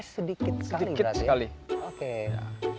sedikit sekali berarti